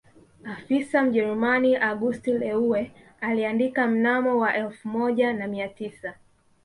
Afisa Mjerumani August Leue aliandika mnamo wa elfu moja na mia tisa